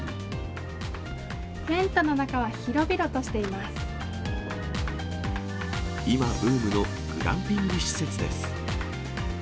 テントの中は広々としていま今、ブームのグランピング施設です。